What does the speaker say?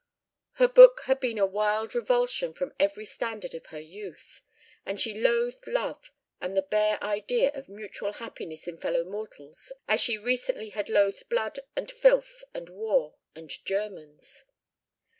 Her book had been a wild revulsion from every standard of her youth, and she loathed love and the bare idea of mutual happiness in fellow mortals as she recently had loathed blood and filth and war and Germans.